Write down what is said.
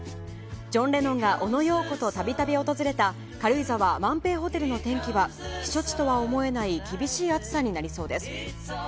ジョン・レノンがオノ・ヨーコと度々訪れた軽井沢・万平ホテルの天気は避暑地とは思えない厳しい暑さになりそうです。